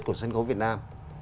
của sân khấu việt nam